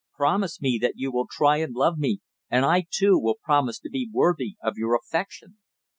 "Promise me that you will try and love me, and I, too, will promise to be worthy of your affection."